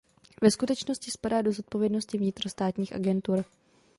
Ve skutečnosti spadá do zodpovědnosti vnitrostátních agentur.